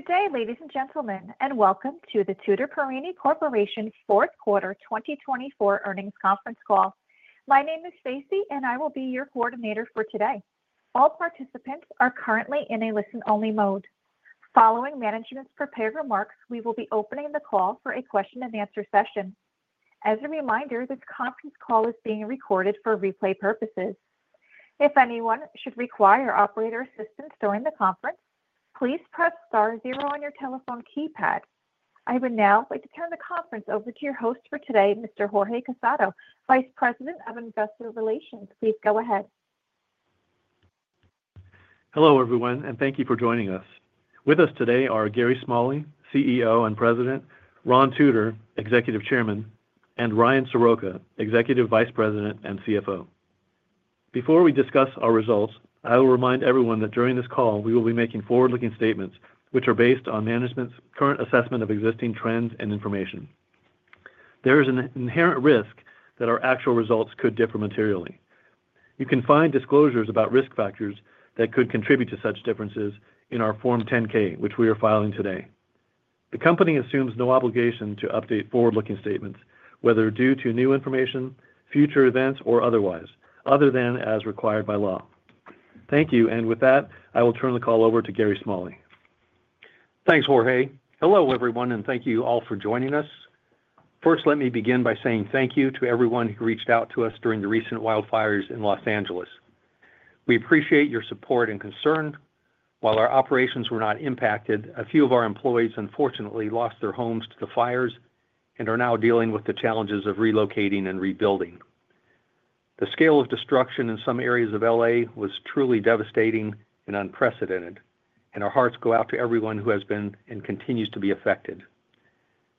Good day, ladies and gentlemen, and welcome to the Tutor Perini Corporation Fourth Quarter 2024 earnings conference call. My name is Stacey, and I will be your coordinator for today. All participants are currently in a listen-only mode. Following management's prepared remarks, we will be opening the call for a question-and-answer session. As a reminder, this conference call is being recorded for replay purposes. If anyone should require operator assistance during the conference, please press star zero on your telephone keypad. I would now like to turn the conference over to your host for today, Mr. Jorge Casado, Vice President of Investor Relations. Please go ahead. Hello, everyone, and thank you for joining us. With us today are Gary Smalley, CEO and President, Ron Tutor, Executive Chairman, and Ryan Soroka, Executive Vice President and CFO. Before we discuss our results, I will remind everyone that during this call, we will be making forward-looking statements which are based on management's current assessment of existing trends and information. There is an inherent risk that our actual results could differ materially. You can find disclosures about risk factors that could contribute to such differences in our Form 10-K, which we are filing today. The company assumes no obligation to update forward-looking statements, whether due to new information, future events, or otherwise, other than as required by law. Thank you, and with that, I will turn the call over to Gary Smalley. Thanks, Jorge. Hello, everyone, and thank you all for joining us. First, let me begin by saying thank you to everyone who reached out to us during the recent wildfires in Los Angeles. We appreciate your support and concern. While our operations were not impacted, a few of our employees, unfortunately, lost their homes to the fires and are now dealing with the challenges of relocating and rebuilding. The scale of destruction in some areas of LA was truly devastating and unprecedented, and our hearts go out to everyone who has been and continues to be affected.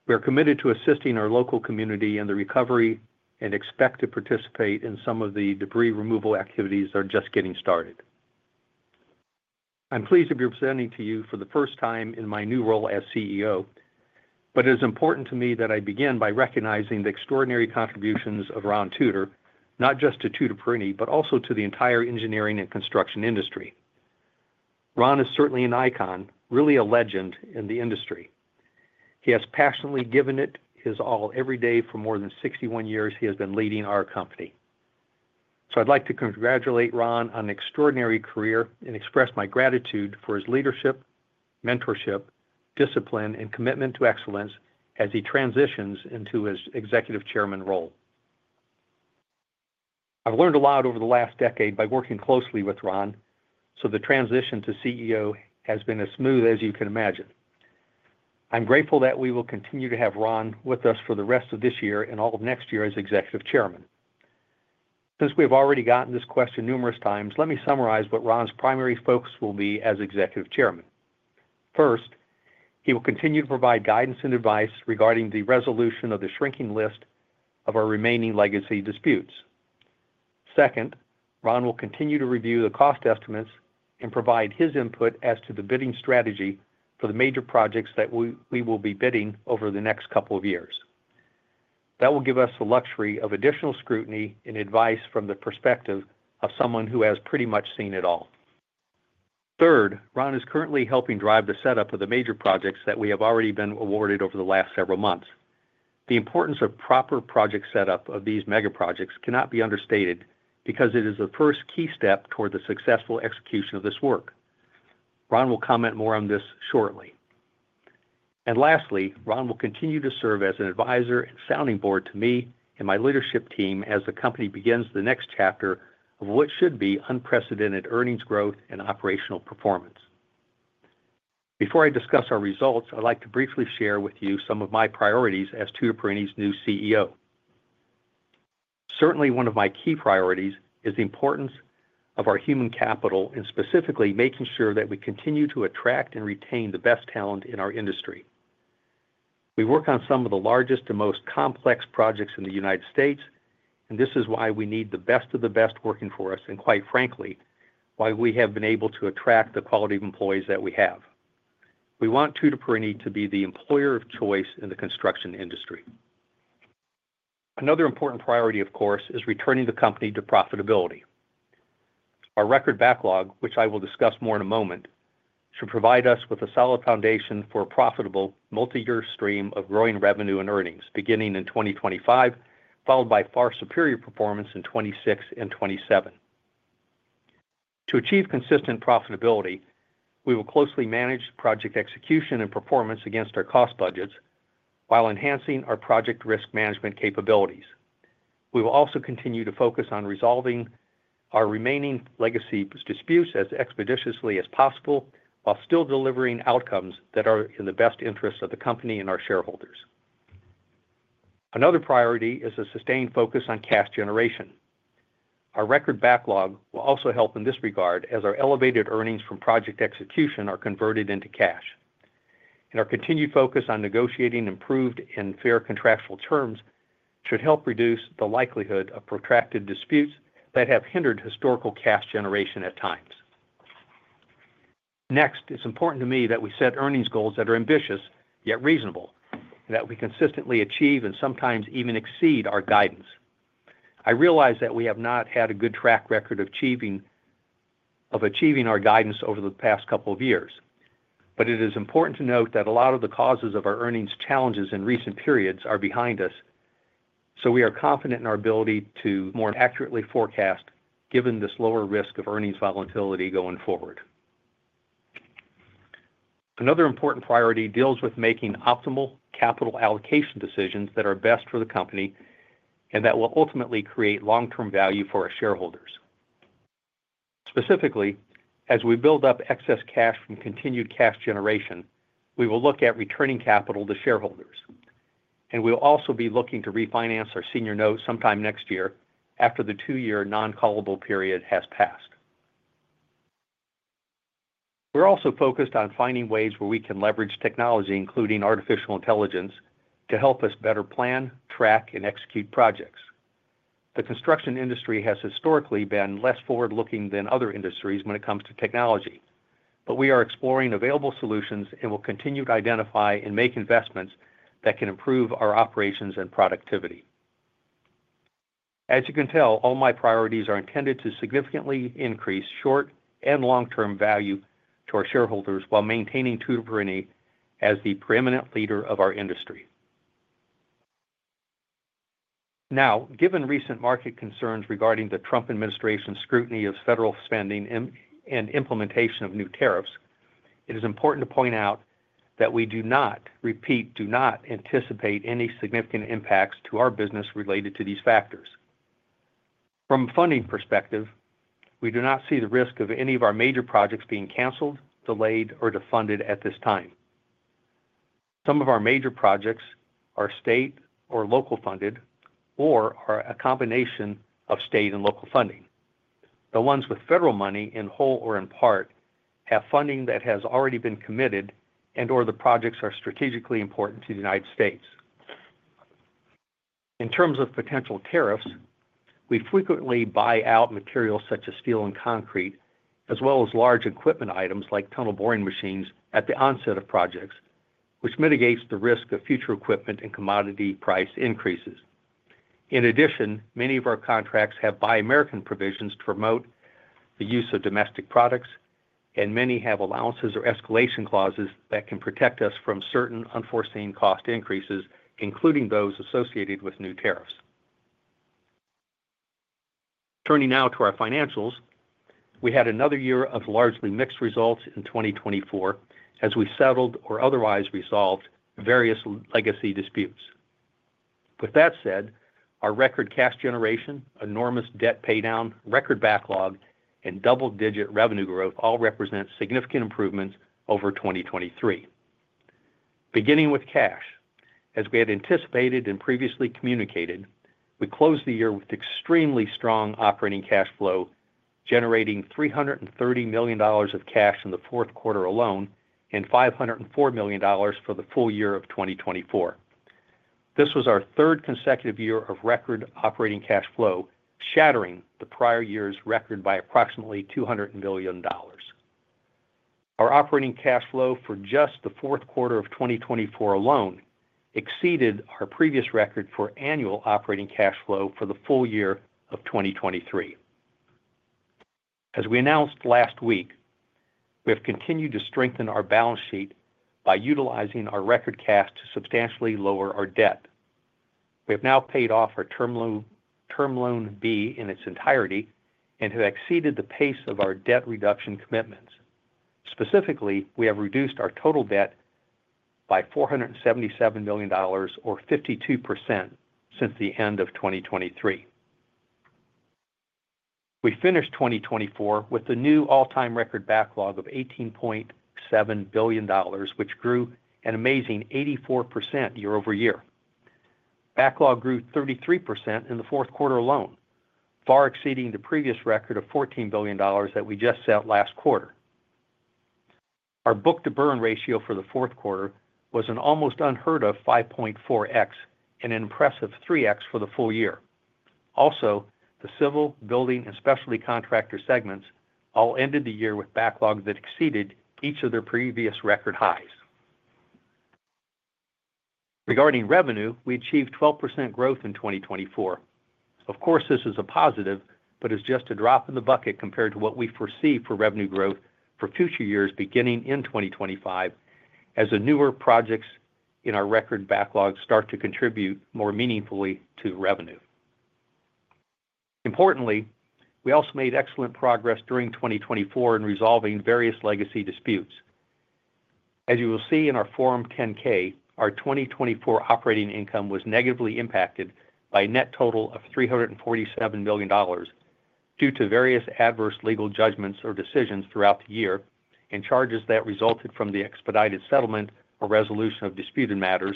We are committed to assisting our local community in the recovery and expect to participate in some of the debris removal activities that are just getting started. I'm pleased to be presenting to you for the first time in my new role as CEO, but it is important to me that I begin by recognizing the extraordinary contributions of Ron Tutor, not just to Tutor Perini, but also to the entire engineering and construction industry. Ron is certainly an icon, really a legend in the industry. He has passionately given it his all every day. For more than 61 years, he has been leading our company. So I'd like to congratulate Ron on an extraordinary career and express my gratitude for his leadership, mentorship, discipline, and commitment to excellence as he transitions into his Executive Chairman role. I've learned a lot over the last decade by working closely with Ron, so the transition to CEO has been as smooth as you can imagine. I'm grateful that we will continue to have Ron with us for the rest of this year and all of next year as Executive Chairman. Since we have already gotten this question numerous times, let me summarize what Ron's primary focus will be as Executive Chairman. First, he will continue to provide guidance and advice regarding the resolution of the shrinking list of our remaining legacy disputes. Second, Ron will continue to review the cost estimates and provide his input as to the bidding strategy for the major projects that we will be bidding over the next couple of years. That will give us the luxury of additional scrutiny and advice from the perspective of someone who has pretty much seen it all. Third, Ron is currently helping drive the setup of the major projects that we have already been awarded over the last several months. The importance of proper project setup of these mega projects cannot be understated because it is the first key step toward the successful execution of this work. Ron will comment more on this shortly, and lastly, Ron will continue to serve as an advisor and sounding board to me and my leadership team as the company begins the next chapter of what should be unprecedented earnings growth and operational performance. Before I discuss our results, I'd like to briefly share with you some of my priorities as Tutor Perini's new CEO. Certainly, one of my key priorities is the importance of our human capital and specifically making sure that we continue to attract and retain the best talent in our industry. We work on some of the largest and most complex projects in the United States, and this is why we need the best of the best working for us and, quite frankly, why we have been able to attract the quality of employees that we have. We want Tutor Perini to be the employer of choice in the construction industry. Another important priority, of course, is returning the company to profitability. Our record backlog, which I will discuss more in a moment, should provide us with a solid foundation for a profitable multi-year stream of growing revenue and earnings beginning in 2025, followed by far superior performance in 2026 and 2027. To achieve consistent profitability, we will closely manage project execution and performance against our cost budgets while enhancing our project risk management capabilities. We will also continue to focus on resolving our remaining legacy disputes as expeditiously as possible while still delivering outcomes that are in the best interest of the company and our shareholders. Another priority is a sustained focus on cash generation. Our record backlog will also help in this regard as our elevated earnings from project execution are converted into cash, and our continued focus on negotiating improved and fair contractual terms should help reduce the likelihood of protracted disputes that have hindered historical cash generation at times. Next, it's important to me that we set earnings goals that are ambitious yet reasonable, that we consistently achieve and sometimes even exceed our guidance. I realize that we have not had a good track record of achieving our guidance over the past couple of years, but it is important to note that a lot of the causes of our earnings challenges in recent periods are behind us, so we are confident in our ability to more accurately forecast given this lower risk of earnings volatility going forward. Another important priority deals with making optimal capital allocation decisions that are best for the company and that will ultimately create long-term value for our shareholders. Specifically, as we build up excess cash from continued cash generation, we will look at returning capital to shareholders, and we will also be looking to refinance our senior note sometime next year after the two-year non-callable period has passed. We're also focused on finding ways where we can leverage technology, including artificial intelligence, to help us better plan, track, and execute projects. The construction industry has historically been less forward-looking than other industries when it comes to technology, but we are exploring available solutions and will continue to identify and make investments that can improve our operations and productivity. As you can tell, all my priorities are intended to significantly increase short and long-term value to our shareholders while maintaining Tutor Perini as the preeminent leader of our industry. Now, given recent market concerns regarding the Trump administration's scrutiny of federal spending and implementation of new tariffs, it is important to point out that we do not, repeat, do not anticipate any significant impacts to our business related to these factors. From a funding perspective, we do not see the risk of any of our major projects being cancelled, delayed, or defunded at this time. Some of our major projects are state or local funded or are a combination of state and local funding. The ones with federal money in whole or in part have funding that has already been committed and/or the projects are strategically important to the United States. In terms of potential tariffs, we frequently buy out materials such as steel and concrete, as well as large equipment items like tunnel boring machines at the onset of projects, which mitigates the risk of future equipment and commodity price increases. In addition, many of our contracts have Buy American provisions to promote the use of domestic products, and many have allowances or escalation clauses that can protect us from certain unforeseen cost increases, including those associated with new tariffs. Turning now to our financials, we had another year of largely mixed results in 2024 as we settled or otherwise resolved various legacy disputes. With that said, our record cash generation, enormous debt paydown, record backlog, and double-digit revenue growth all represent significant improvements over 2023. Beginning with cash, as we had anticipated and previously communicated, we closed the year with extremely strong operating cash flow, generating $330 million of cash in the fourth quarter alone and $504 million for the full year of 2024. This was our third consecutive year of record operating cash flow, shattering the prior year's record by approximately $200 million. Our operating cash flow for just the fourth quarter of 2024 alone exceeded our previous record for annual operating cash flow for the full year of 2023. As we announced last week, we have continued to strengthen our balance sheet by utilizing our record cash to substantially lower our debt. We have now paid off our Term Loan B in its entirety and have exceeded the pace of our debt reduction commitments. Specifically, we have reduced our total debt by $477 million or 52% since the end of 2023. We finished 2024 with a new all-time record backlog of $18.7 billion, which grew an amazing 84% year-over-year. Backlog grew 33% in the fourth quarter alone, far exceeding the previous record of $14 billion that we just set last quarter. Our book-to-burn ratio for the fourth quarter was an almost unheard of 5.4x and an impressive 3x for the full year. Also, the civil, building, and specialty contractor segments all ended the year with backlog that exceeded each of their previous record highs. Regarding revenue, we achieved 12% growth in 2024. Of course, this is a positive, but it's just a drop in the bucket compared to what we foresee for revenue growth for future years beginning in 2025 as newer projects in our record backlog start to contribute more meaningfully to revenue. Importantly, we also made excellent progress during 2024 in resolving various legacy disputes. As you will see in our Form 10-K, our 2024 operating income was negatively impacted by a net total of $347 million due to various adverse legal judgments or decisions throughout the year and charges that resulted from the expedited settlement or resolution of disputed matters,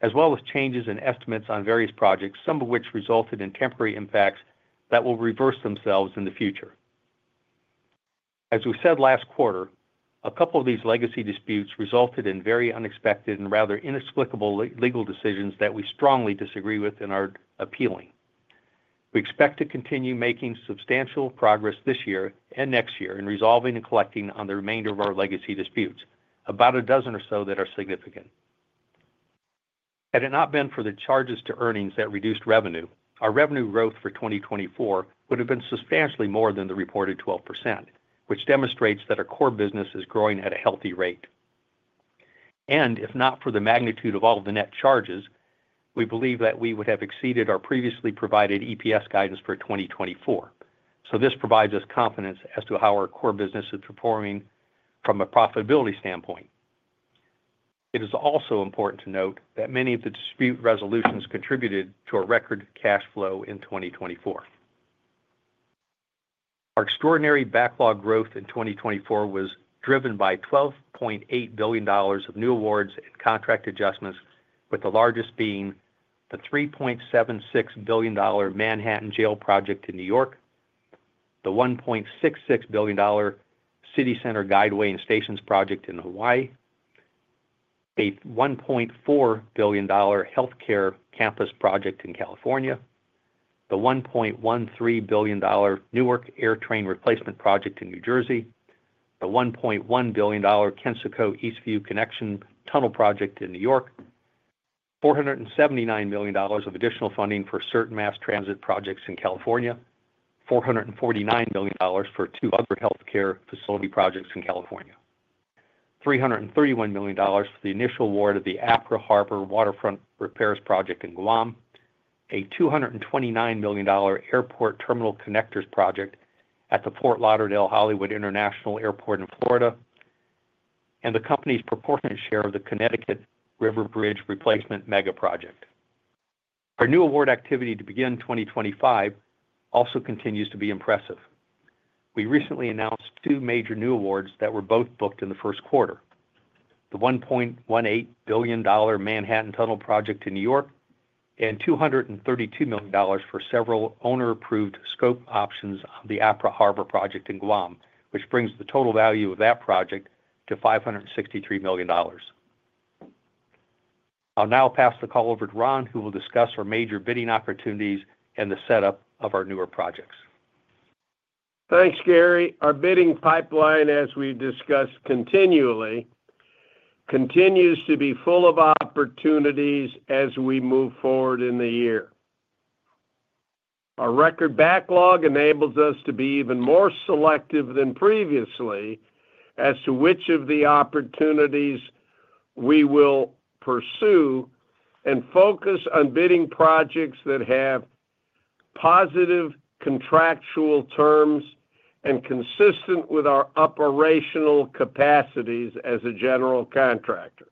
as well as changes in estimates on various projects, some of which resulted in temporary impacts that will reverse themselves in the future. As we said last quarter, a couple of these legacy disputes resulted in very unexpected and rather inexplicable legal decisions that we strongly disagree with and are appealing. We expect to continue making substantial progress this year and next year in resolving and collecting on the remainder of our legacy disputes, about a dozen or so that are significant. Had it not been for the charges to earnings that reduced revenue, our revenue growth for 2024 would have been substantially more than the reported 12%, which demonstrates that our core business is growing at a healthy rate, and if not for the magnitude of all of the net charges, we believe that we would have exceeded our previously provided EPS guidance for 2024, so this provides us confidence as to how our core business is performing from a profitability standpoint. It is also important to note that many of the dispute resolutions contributed to our record cash flow in 2024. Our extraordinary backlog growth in 2024 was driven by $12.8 billion of new awards and contract adjustments, with the largest being the $3.76 billion Manhattan Jail project in New York, the $1.66 billion City Center Guideway and Stations project in Hawaii, a $1.4 billion healthcare campus project in California, the $1.13 billion Newark AirTrain replacement project in New Jersey, the $1.1 billion Kensico Eastview Connection tunnel project in New York, $479 million of additional funding for certain mass transit projects in California, $449 million for two other healthcare facility projects in California, $331 million for the initial award of the Apra Harbor Waterfront Repairs project in Guam, a $229 million airport terminal connectors project at the Fort Lauderdale-Hollywood International Airport in Florida, and the company's proportionate share of the Connecticut River Bridge replacement mega project. Our new award activity to begin 2025 also continues to be impressive. We recently announced two major new awards that were both booked in the first quarter: the $1.18 billion Manhattan Tunnel project in New York and $232 million for several owner-approved scope options on the Apra Harbor project in Guam, which brings the total value of that project to $563 million. I'll now pass the call over to Ron, who will discuss our major bidding opportunities and the setup of our newer projects. Thanks, Gary. Our bidding pipeline, as we discuss continually, continues to be full of opportunities as we move forward in the year. Our record backlog enables us to be even more selective than previously as to which of the opportunities we will pursue and focus on bidding projects that have positive contractual terms and are consistent with our operational capacities as a general contractor.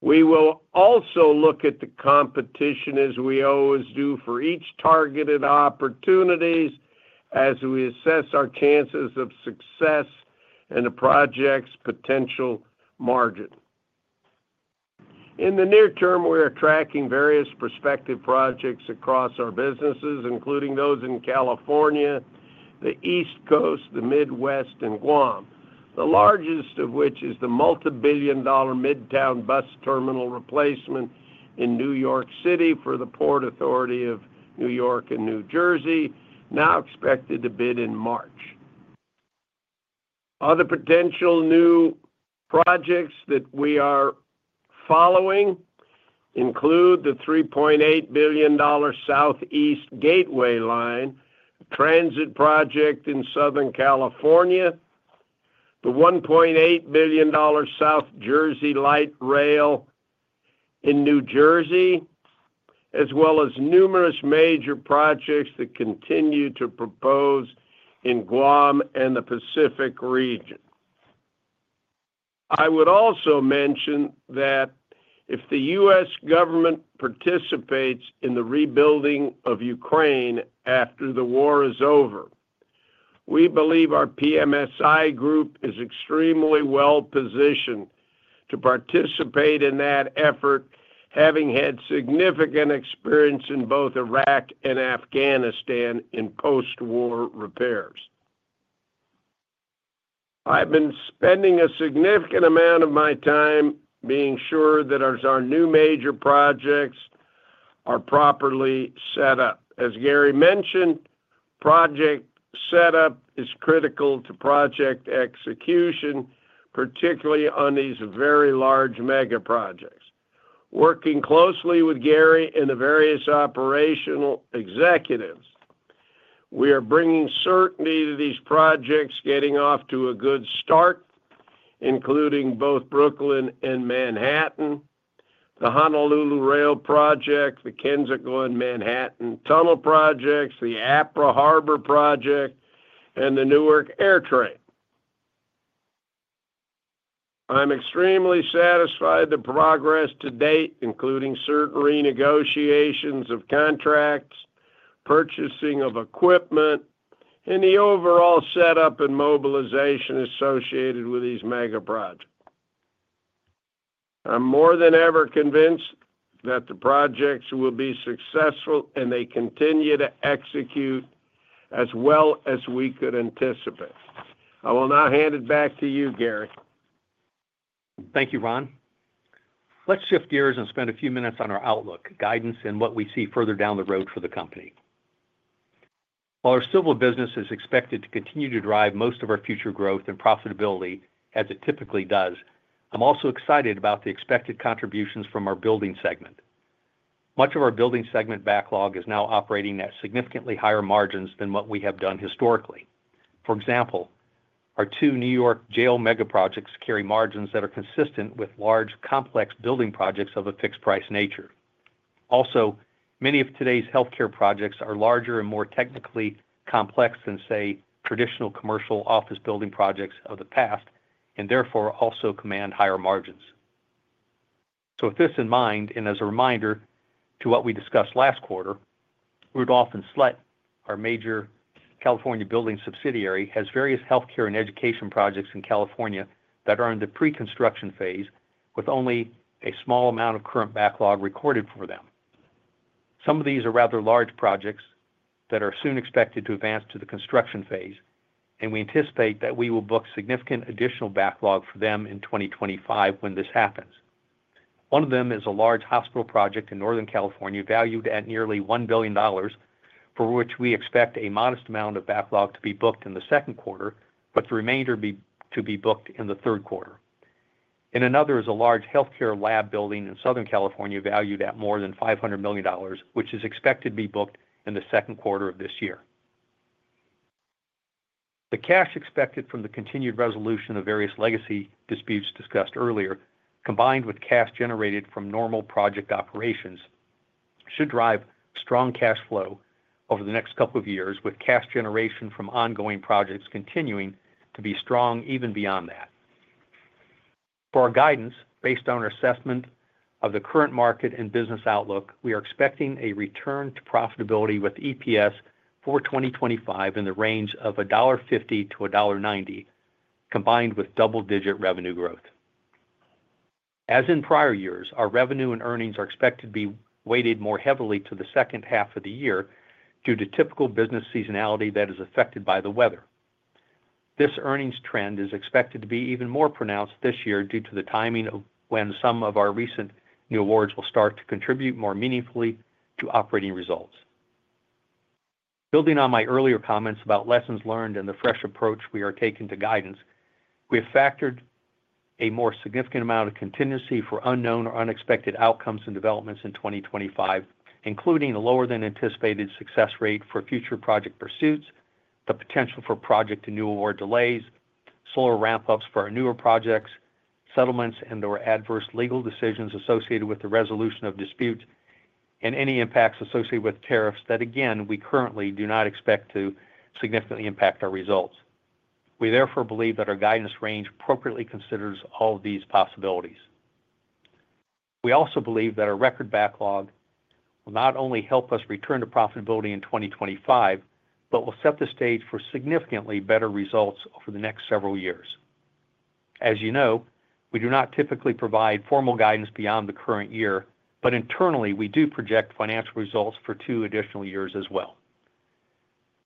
We will also look at the competition, as we always do, for each targeted opportunity as we assess our chances of success and the project's potential margin. In the near term, we are tracking various prospective projects across our businesses, including those in California, the East Coast, the Midwest, and Guam, the largest of which is the multi-billion-dollar Midtown Bus Terminal Replacement in New York City for the Port Authority of New York and New Jersey, now expected to bid in March. Other potential new projects that we are following include the $3.8 billion Southeast Gateway Line transit project in Southern California, the $1.8 billion South Jersey Light Rail in New Jersey, as well as numerous major projects that continue to propose in Guam and the Pacific region. I would also mention that if the U.S. Government participates in the rebuilding of Ukraine after the war is over, we believe our PMSI group is extremely well positioned to participate in that effort, having had significant experience in both Iraq and Afghanistan in post-war repairs. I've been spending a significant amount of my time being sure that our new major projects are properly set up. As Gary mentioned, project setup is critical to project execution, particularly on these very large mega projects. Working closely with Gary and the various operational executives, we are bringing certainty to these projects, getting off to a good start, including both Brooklyn and Manhattan, the Honolulu Rail project, the Kensico and Manhattan Tunnel projects, the Apra Harbor project, and the Newark AirTrain. I'm extremely satisfied with the progress to date, including certain renegotiations of contracts, purchasing of equipment, and the overall setup and mobilization associated with these mega projects. I'm more than ever convinced that the projects will be successful, and they continue to execute as well as we could anticipate. I will now hand it back to you, Gary. Thank you, Ron. Let's shift gears and spend a few minutes on our outlook, guidance, and what we see further down the road for the company. While our civil business is expected to continue to drive most of our future growth and profitability as it typically does, I'm also excited about the expected contributions from our building segment. Much of our building segment backlog is now operating at significantly higher margins than what we have done historically. For example, our two New York Jail mega projects carry margins that are consistent with large, complex building projects of a fixed-price nature. Also, many of today's healthcare projects are larger and more technically complex than, say, traditional commercial office building projects of the past, and therefore also command higher margins. So with this in mind, and as a reminder to what we discussed last quarter, Rudolph and Sletten, our major California building subsidiary, have various healthcare and education projects in California that are in the pre-construction phase, with only a small amount of current backlog recorded for them. Some of these are rather large projects that are soon expected to advance to the construction phase, and we anticipate that we will book significant additional backlog for them in 2025 when this happens. One of them is a large hospital project in Northern California valued at nearly $1 billion, for which we expect a modest amount of backlog to be booked in the second quarter, but the remainder to be booked in the third quarter. Another is a large healthcare lab building in Southern California valued at more than $500 million, which is expected to be booked in the second quarter of this year. The cash expected from the continued resolution of various legacy disputes discussed earlier, combined with cash generated from normal project operations, should drive strong cash flow over the next couple of years, with cash generation from ongoing projects continuing to be strong even beyond that. For our guidance, based on our assessment of the current market and business outlook, we are expecting a return to profitability with EPS for 2025 in the range of $1.50-$1.90, combined with double-digit revenue growth. As in prior years, our revenue and earnings are expected to be weighted more heavily to the second half of the year due to typical business seasonality that is affected by the weather. This earnings trend is expected to be even more pronounced this year due to the timing of when some of our recent new awards will start to contribute more meaningfully to operating results. Building on my earlier comments about lessons learned and the fresh approach we are taking to guidance, we have factored a more significant amount of contingency for unknown or unexpected outcomes and developments in 2025, including a lower-than-anticipated success rate for future project pursuits, the potential for project and new award delays, slower ramp-ups for our newer projects, settlements and/or adverse legal decisions associated with the resolution of disputes, and any impacts associated with tariffs that, again, we currently do not expect to significantly impact our results. We therefore believe that our guidance range appropriately considers all of these possibilities. We also believe that our record backlog will not only help us return to profitability in 2025, but will set the stage for significantly better results over the next several years. As you know, we do not typically provide formal guidance beyond the current year, but internally, we do project financial results for two additional years as well.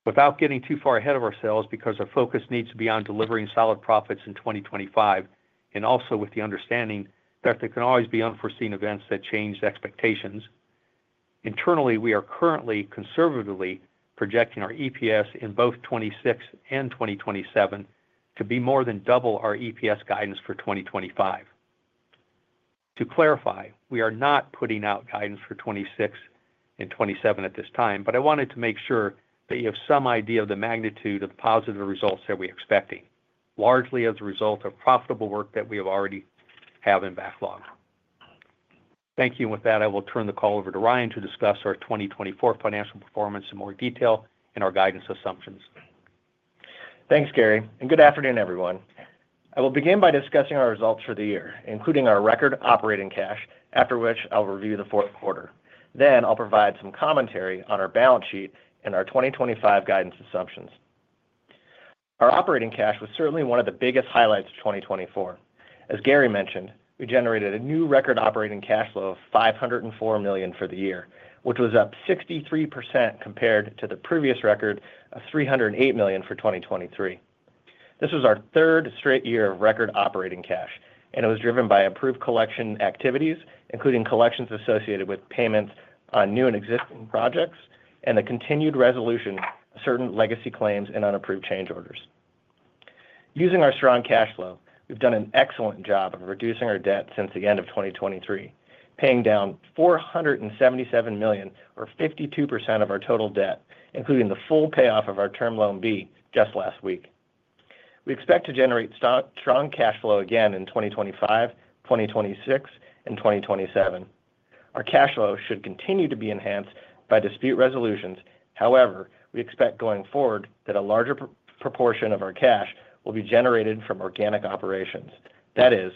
Without getting too far ahead of ourselves because our focus needs to be on delivering solid profits in 2025, and also with the understanding that there can always be unforeseen events that change expectations, internally, we are currently conservatively projecting our EPS in both 2026 and 2027 to be more than double our EPS guidance for 2025. To clarify, we are not putting out guidance for 2026 and 2027 at this time, but I wanted to make sure that you have some idea of the magnitude of the positive results that we are expecting, largely as a result of profitable work that we already have in backlog. Thank you. With that, I will turn the call over to Ryan to discuss our 2024 financial performance in more detail and our guidance assumptions. Thanks, Gary. Good afternoon, everyone. I will begin by discussing our results for the year, including our record operating cash, after which I'll review the fourth quarter. I'll provide some commentary on our balance sheet and our 2025 guidance assumptions. Our operating cash was certainly one of the biggest highlights of 2024. As Gary mentioned, we generated a new record operating cash flow of $504 million for the year, which was up 63% compared to the previous record of $308 million for 2023. This was our third straight year of record operating cash, and it was driven by improved collection activities, including collections associated with payments on new and existing projects and the continued resolution of certain legacy claims and unapproved change orders. Using our strong cash flow, we've done an excellent job of reducing our debt since the end of 2023, paying down $477 million, or 52% of our total debt, including the full payoff of our term loan B just last week. We expect to generate strong cash flow again in 2025, 2026, and 2027. Our cash flow should continue to be enhanced by dispute resolutions. However, we expect going forward that a larger proportion of our cash will be generated from organic operations, that is,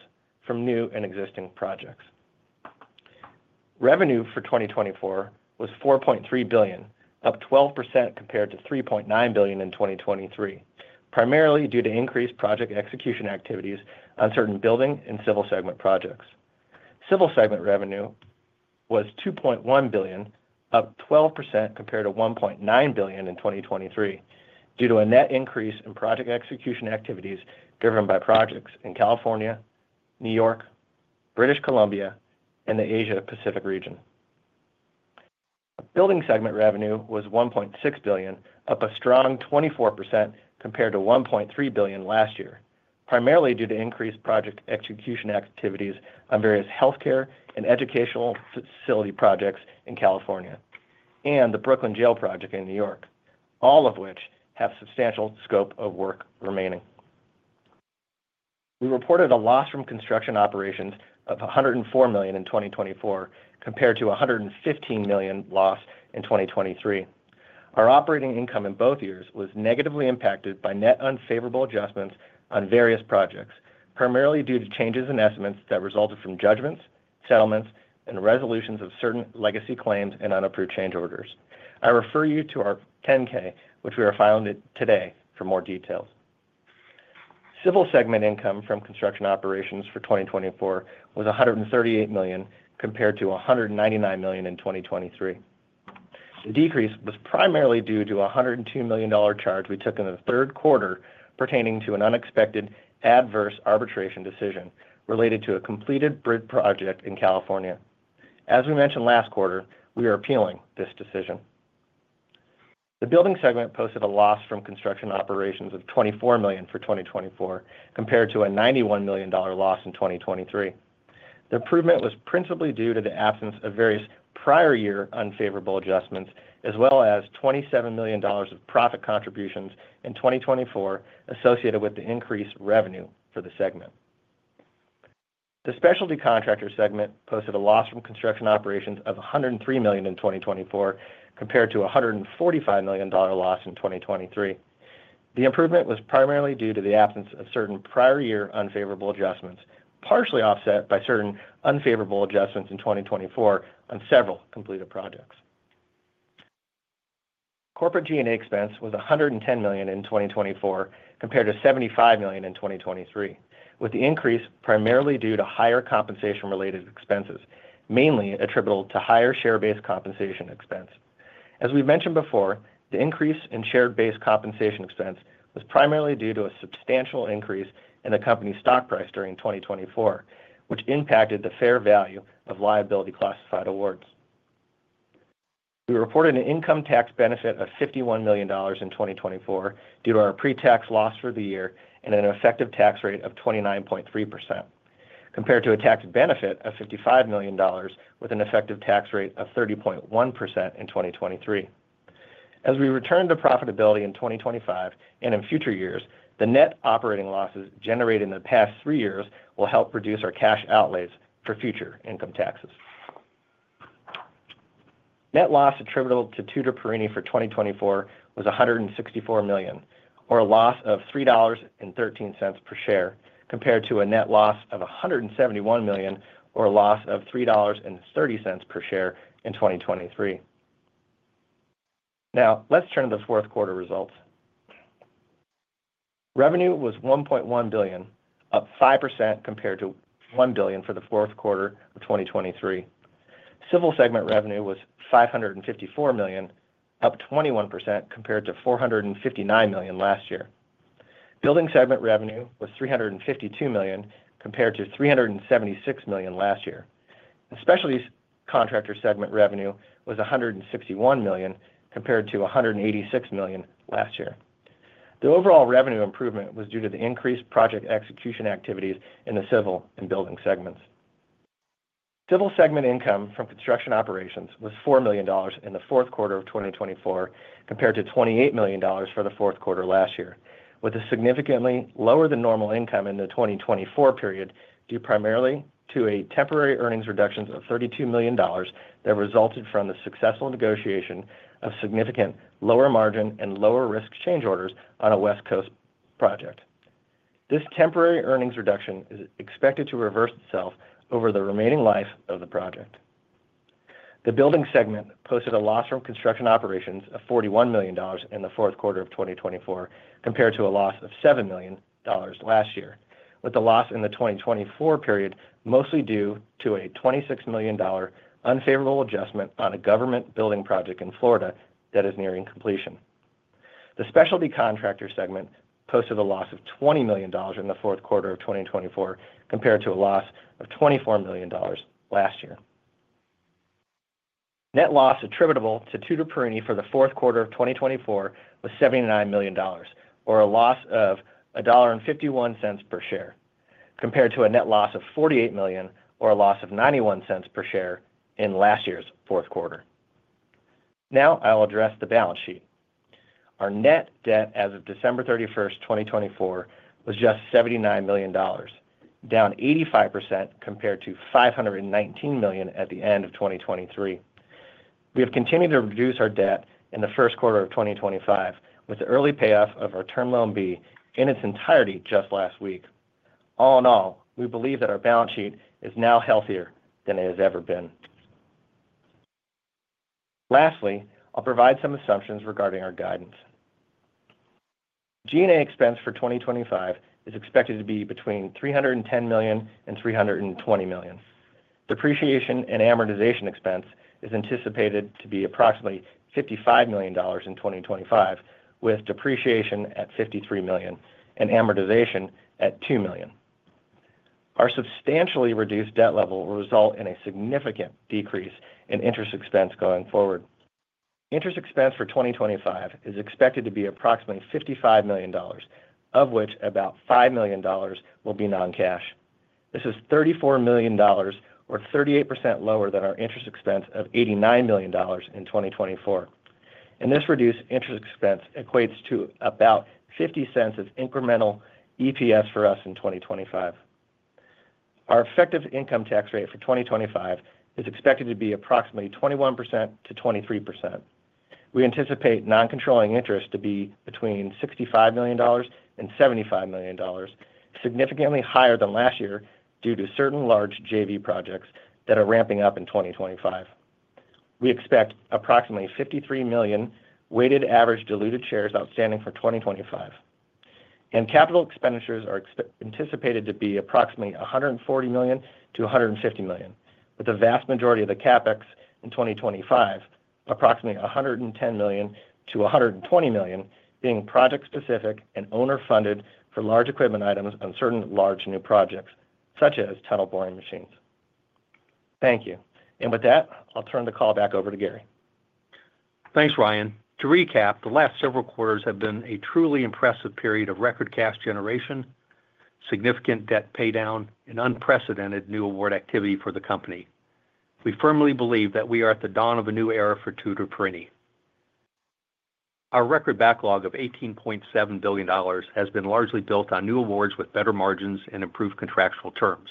from new and existing projects. Revenue for 2024 was $4.3 billion, up 12% compared to $3.9 billion in 2023, primarily due to increased project execution activities on certain building and civil segment projects. Civil segment revenue was $2.1 billion, up 12% compared to $1.9 billion in 2023, due to a net increase in project execution activities driven by projects in California, New York, British Columbia, and the Asia-Pacific region. Building segment revenue was $1.6 billion, up a strong 24% compared to $1.3 billion last year, primarily due to increased project execution activities on various healthcare and educational facility projects in California and the Brooklyn Jail project in New York, all of which have substantial scope of work remaining. We reported a loss from construction operations of $104 million in 2024 compared to $115 million loss in 2023. Our operating income in both years was negatively impacted by net unfavorable adjustments on various projects, primarily due to changes in estimates that resulted from judgments, settlements, and resolutions of certain legacy claims and unapproved change orders. I refer you to our 10-K, which we are filing today for more details. Civil segment income from construction operations for 2024 was $138 million compared to $199 million in 2023. The decrease was primarily due to a $102 million charge we took in the third quarter pertaining to an unexpected adverse arbitration decision related to a completed bridge project in California. As we mentioned last quarter, we are appealing this decision. The building segment posted a loss from construction operations of $24 million for 2024 compared to a $91 million loss in 2023. The improvement was principally due to the absence of various prior year unfavorable adjustments, as well as $27 million of profit contributions in 2024 associated with the increased revenue for the segment. The specialty contractor segment posted a loss from construction operations of $103 million in 2024 compared to a $145 million loss in 2023. The improvement was primarily due to the absence of certain prior year unfavorable adjustments, partially offset by certain unfavorable adjustments in 2024 on several completed projects. Corporate G&A expense was $110 million in 2024 compared to $75 million in 2023, with the increase primarily due to higher compensation-related expenses, mainly attributable to higher share-based compensation expense. As we've mentioned before, the increase in share-based compensation expense was primarily due to a substantial increase in the company's stock price during 2024, which impacted the fair value of liability-classified awards. We reported an income tax benefit of $51 million in 2024 due to our pre-tax loss for the year and an effective tax rate of 29.3%, compared to a tax benefit of $55 million with an effective tax rate of 30.1% in 2023. As we return to profitability in 2025 and in future years, the net operating losses generated in the past three years will help reduce our cash outlays for future income taxes. Net loss attributable to Tutor Perini for 2024 was $164 million, or a loss of $3.13 per share, compared to a net loss of $171 million, or a loss of $3.30 per share in 2023. Now, let's turn to the fourth quarter results. Revenue was $1.1 billion, up 5% compared to $1 billion for the fourth quarter of 2023. Civil segment revenue was $554 million, up 21% compared to $459 million last year. Building segment revenue was $352 million compared to $376 million last year. The specialty contractor segment revenue was $161 million compared to $186 million last year. The overall revenue improvement was due to the increased project execution activities in the civil and building segments. Civil segment income from construction operations was $4 million in the fourth quarter of 2024 compared to $28 million for the fourth quarter last year, with a significantly lower than normal income in the 2024 period due primarily to a temporary earnings reduction of $32 million that resulted from the successful negotiation of significant lower margin and lower risk change orders on a West Coast project. This temporary earnings reduction is expected to reverse itself over the remaining life of the project. The building segment posted a loss from construction operations of $41 million in the fourth quarter of 2024 compared to a loss of $7 million last year, with the loss in the 2024 period mostly due to a $26 million unfavorable adjustment on a government building project in Florida that is nearing completion. The specialty contractor segment posted a loss of $20 million in the fourth quarter of 2024 compared to a loss of $24 million last year. Net loss attributable to Tutor Perini for the fourth quarter of 2024 was $79 million, or a loss of $1.51 per share, compared to a net loss of $48 million or a loss of $0.91 per share in last year's fourth quarter. Now, I'll address the balance sheet. Our net debt as of December 31st, 2024, was just $79 million, down 85% compared to $519 million at the end of 2023. We have continued to reduce our debt in the first quarter of 2025, with the early payoff of our Term Loan B in its entirety just last week. All in all, we believe that our balance sheet is now healthier than it has ever been. Lastly, I'll provide some assumptions regarding our guidance. G&A expense for 2025 is expected to be between $310 million and $320 million. Depreciation and amortization expense is anticipated to be approximately $55 million in 2025, with depreciation at $53 million and amortization at $2 million. Our substantially reduced debt level will result in a significant decrease in interest expense going forward. Interest expense for 2025 is expected to be approximately $55 million, of which about $5 million will be non-cash. This is $34 million, or 38% lower than our interest expense of $89 million in 2024. This reduced interest expense equates to about $0.50 of incremental EPS for us in 2025. Our effective income tax rate for 2025 is expected to be approximately 21% to 23%. We anticipate non-controlling interest to be between $65 million and $75 million, significantly higher than last year due to certain large JV projects that are ramping up in 2025. We expect approximately $53 million weighted average diluted shares outstanding for 2025. And capital expenditures are anticipated to be approximately $140 million-$150 million, with the vast majority of the CapEx in 2025, approximately $110 million-$120 million being project-specific and owner-funded for large equipment items on certain large new projects, such as tunnel boring machines. Thank you. And with that, I'll turn the call back over to Gary. Thanks, Ryan. To recap, the last several quarters have been a truly impressive period of record cash generation, significant debt paydown, and unprecedented new award activity for the company. We firmly believe that we are at the dawn of a new era for Tutor Perini. Our record backlog of $18.7 billion has been largely built on new awards with better margins and improved contractual terms.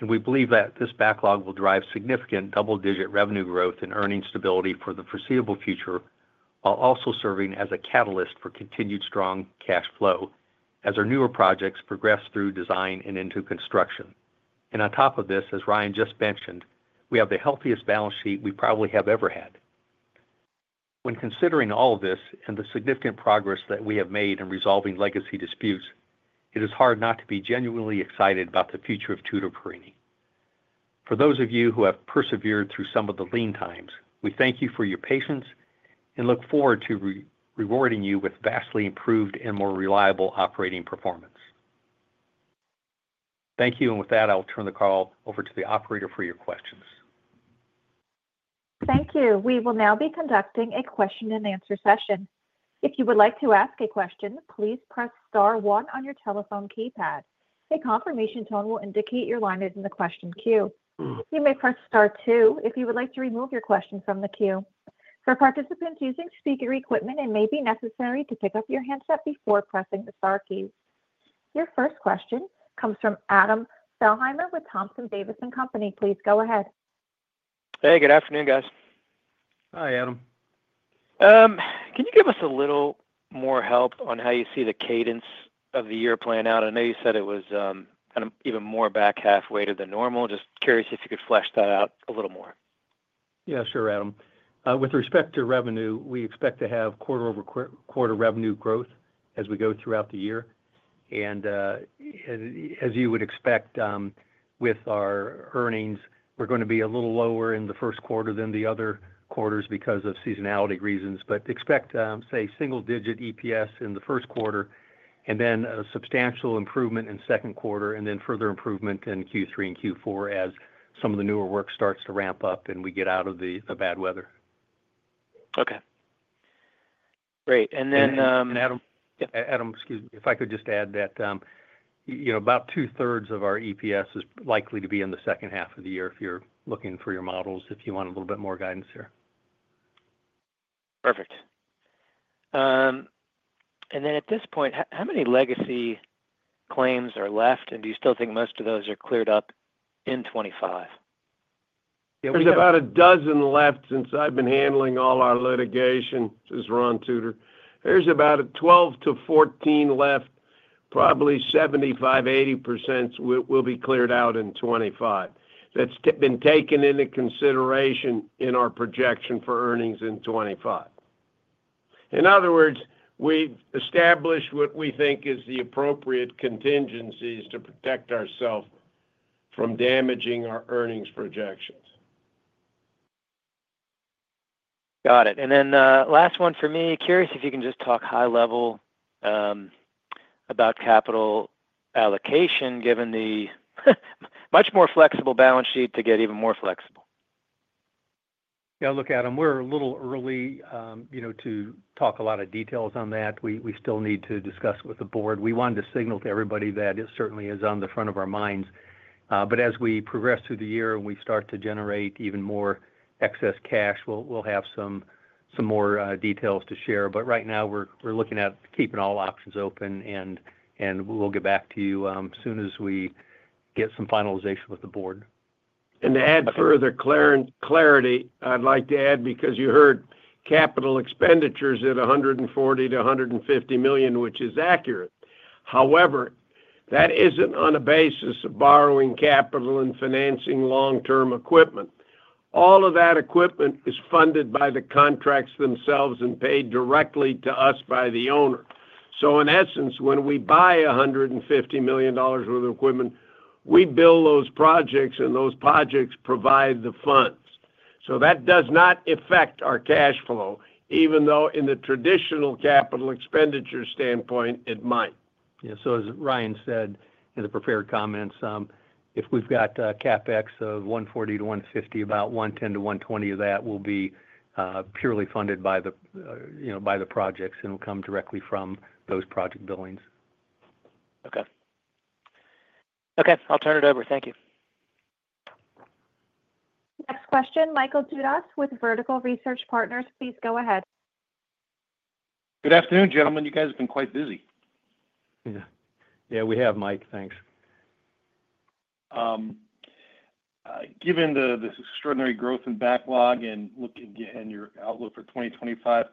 We believe that this backlog will drive significant double-digit revenue growth and earnings stability for the foreseeable future, while also serving as a catalyst for continued strong cash flow as our newer projects progress through design and into construction. On top of this, as Ryan just mentioned, we have the healthiest balance sheet we probably have ever had. When considering all of this and the significant progress that we have made in resolving legacy disputes, it is hard not to be genuinely excited about the future of Tutor Perini. For those of you who have persevered through some of the lean times, we thank you for your patience and look forward to rewarding you with vastly improved and more reliable operating performance. Thank you. With that, I'll turn the call over to the operator for your questions. Thank you. We will now be conducting a question-and-answer session. If you would like to ask a question, please press star one on your telephone keypad. A confirmation tone will indicate your line is in the question queue. You may press star one if you would like to remove your question from the queue. For participants using speaker equipment, it may be necessary to pick up your handset before pressing the star keys. Your first question comes from Adam Thalhimer with Thompson Davis & Co. Please go ahead. Hey, good afternoon, guys. Hi, Adam. Can you give us a little more help on how you see the cadence of the year playing out? I know you said it was kind of even more back halfway to the normal. Just curious if you could flesh that out a little more. Yeah, sure, Adam. With respect to revenue, we expect to have quarter-over-quarter revenue growth as we go throughout the year. And as you would expect with our earnings, we're going to be a little lower in the first quarter than the other quarters because of seasonality reasons. But expect, say, single-digit EPS in the first quarter, and then a substantial improvement in second quarter, and then further improvement in Q3 and Q4 as some of the newer work starts to ramp up and we get out of the bad weather. Okay. Great. And then, Adam, excuse me, if I could just add that about two-thirds of our EPS is likely to be in the second half of the year if you're looking for your models if you want a little bit more guidance here. Perfect. And then at this point, how many legacy claims are left, and do you still think most of those are cleared up in 2025? There's about a dozen left since I've been handling all our litigation. This is Ron Tutor. There's about 12-14 left. Probably 75%-80% will be cleared out in 2025. That's been taken into consideration in our projection for earnings in 2025. In other words, we've established what we think is the appropriate contingencies to protect ourselves from damaging our earnings projections. Got it. Last one for me. Curious if you can just talk high level about capital allocation given the much more flexible balance sheet to get even more flexible. Yeah, look, Adam, we're a little early to talk a lot of details on that. We still need to discuss with the board. We wanted to signal to everybody that it certainly is on the front of our minds. But as we progress through the year and we start to generate even more excess cash, we'll have some more details to share. But right now, we're looking at keeping all options open, and we'll get back to you as soon as we get some finalization with the board. And to add further clarity, I'd like to add because you heard capital expenditures at $140-$150 million, which is accurate. However, that isn't on a basis of borrowing capital and financing long-term equipment. All of that equipment is funded by the contracts themselves and paid directly to us by the owner. So in essence, when we buy $150 million worth of equipment, we build those projects, and those projects provide the funds. So that does not affect our cash flow, even though in the traditional capital expenditure standpoint, it might. Yeah. So as Ryan said in the prepared comments, if we've got CapEx of $140-$150, about $110-$120 of that will be purely funded by the projects and will come directly from those project billings. Okay. Okay. I'll turn it over. Thank you. Next question, Michael Dudas with Vertical Research Partners. Please go ahead. Good afternoon, gentlemen. You guys have been quite busy. Yeah. Yeah, we have, Mike.Thanks. Given the extraordinary growth in backlog and your outlook for 2025,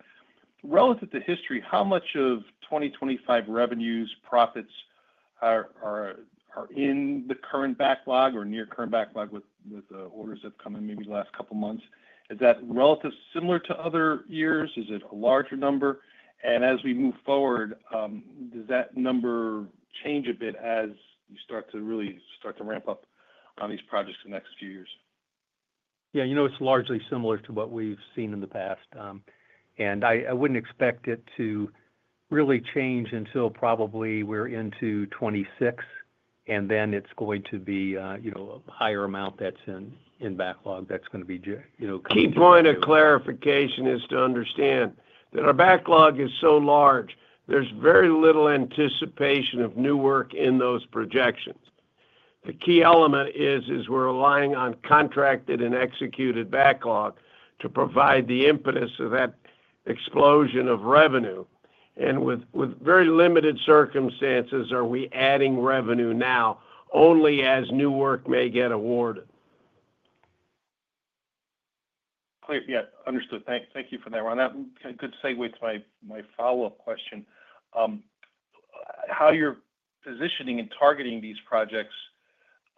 relative to history, how much of 2025 revenues profits are in the current backlog or near current backlog with orders that have come in maybe the last couple of months? Is that relative similar to other years? Is it a larger number? As we move forward, does that number change a bit as you start to really start to ramp up on these projects in the next few years? Yeah. You know, it's largely similar to what we've seen in the past. And I wouldn't expect it to really change until probably we're into 2026, and then it's going to be a higher amount that's in backlog that's going to be coming. Key point of clarification is to understand that our backlog is so large. There's very little anticipation of new work in those projections. The key element is we're relying on contracted and executed backlog to provide the impetus of that explosion of revenue. And with very limited circumstances, are we adding revenue now only as new work may get awarded. Yeah. Understood. Thank you for that, Ryan. That's a good segue to my follow-up question. How you're positioning and targeting these projects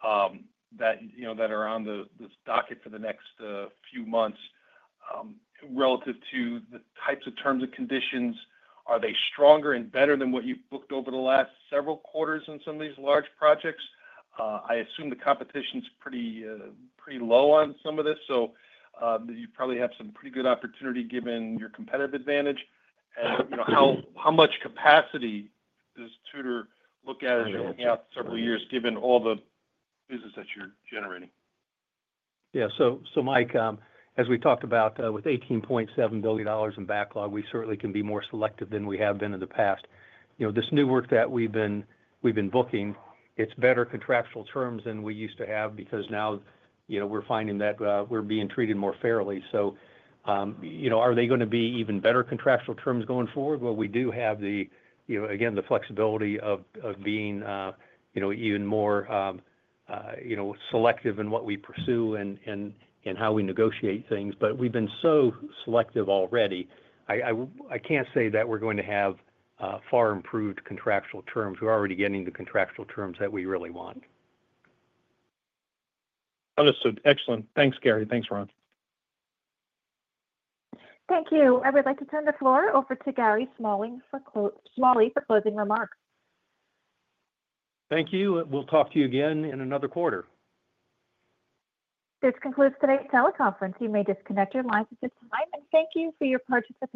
that are on the docket for the next few months relative to the types of terms and conditions, are they stronger and better than what you've booked over the last several quarters on some of these large projects? I assume the competition's pretty low on some of this, so you probably have some pretty good opportunity given your competitive advantage. And how much capacity does Tutor look at in several years given all the business that you're generating? Yeah. So, Mike, as we talked about with $18.7 billion in backlog, we certainly can be more selective than we have been in the past. This new work that we've been booking, it's better contractual terms than we used to have because now we're finding that we're being treated more fairly. So are they going to be even better contractual terms going forward? Well, we do have, again, the flexibility of being even more selective in what we pursue and how we negotiate things. But we've been so selective already, I can't say that we're going to have far improved contractual terms. We're already getting the contractual terms that we really want. Understood. Excellent. Thanks, Gary. Thanks, Ron. Thank you. I would like to turn the floor over to Gary Smalley for closing remarks. Thank you. We'll talk to you again in another quarter. This concludes today's teleconference. You may disconnect your lines at this time, and thank you for your participation.